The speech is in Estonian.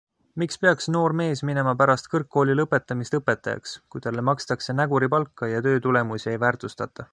Miks peaks noor mees minema pärast kõrgkooli lõpetamist õpetajaks, kui talle makstakse näguripalka ja töötulemusi ei väärtustata?